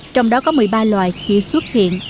trong đó có một mươi ba loài khi xuất hiện